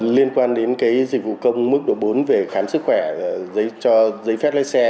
liên quan đến dịch vụ công mức độ bốn về khám sức khỏe cho giấy phép lái xe